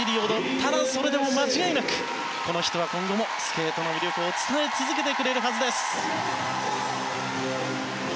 ただ、それでも間違いなくこの人は今後もスケートの魅力を伝え続けてくれるはずです。